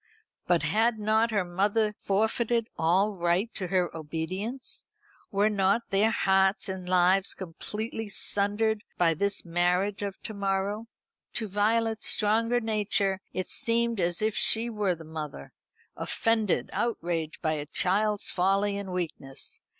But had not her mother forfeited all right to her obedience? Were not their hearts and lives completely sundered by this marriage of to morrow? To Violet's stronger nature it seemed as if she were the mother offended, outraged by a child's folly and weakness.